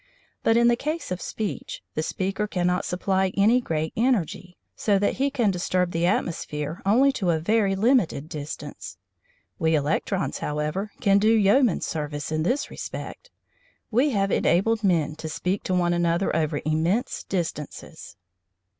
But in the case of speech, the speaker cannot supply any great energy, so that he can disturb the atmosphere only to a very limited distance. We electrons, however, can do yeoman service in this respect. We have enabled men to speak to one another over immense distances.